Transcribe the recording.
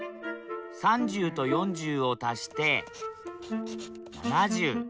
３０と４０を足して７０。